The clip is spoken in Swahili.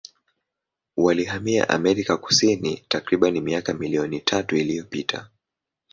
Walihamia Amerika Kusini takribani miaka milioni tatu iliyopita.